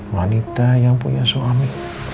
manita yang punya suami